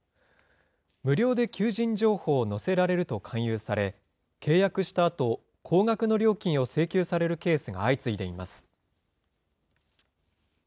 無料で求人情報を載せられると勧誘され、契約したあと、高額の料金を請求されるケースが相次いでいます。